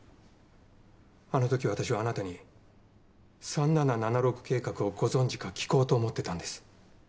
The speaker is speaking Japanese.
あのとき私はあなたに３７７６計画をご存じか聞こうと思ってたんです。